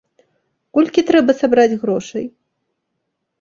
Колькі трэба сабраць грошай?